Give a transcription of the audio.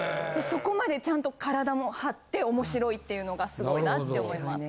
そこまでちゃんと体も張って面白いっていうのが凄いなって思います。